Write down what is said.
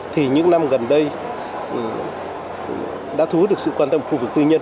thì những năm gần đây đã thu hút được sự quan tâm của khu vực tư nhân